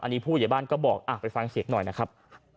อันนี้ผู้ใหญ่บ้านก็บอกไปฟังเสียงหน่อยนะครับ